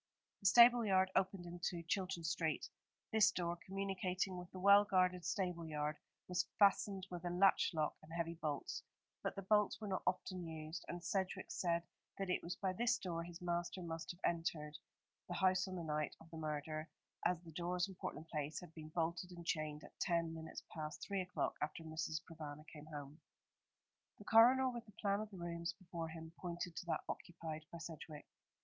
The stable yard opened into Chilton Street. This door, communicating with the well guarded stable yard, was fastened with a latch lock and heavy bolts; but the bolts were not often used, and Sedgewick said that it was by this door his master must have entered the house on the night of the murder, as the doors in Portland Place had been bolted and chained at ten minutes past three o'clock, after Mrs. Provana came home. The coroner, with the plan of the rooms before him, pointed to that occupied by Sedgewick.